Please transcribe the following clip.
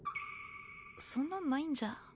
そんなんないんじゃ。